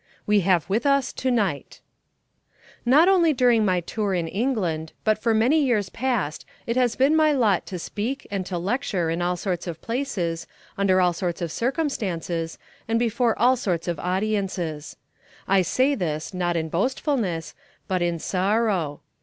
"We Have With Us To night" NOT only during my tour in England but for many years past it has been my lot to speak and to lecture in all sorts of places, under all sorts of circumstances and before all sorts of audiences. I say this, not in boastfulness, but in sorrow.